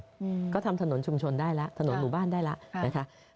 อืมก็ทำถนนชุมชนได้แล้วถนนหมู่บ้านได้แล้วนะคะ